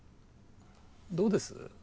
どうです？